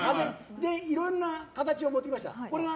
いろんな形を持ってきました。